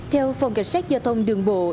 theo phòng cảnh sát giao thông đường bộ